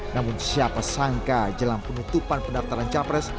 namun siapa sangka jelang penutupan pendaftaran capres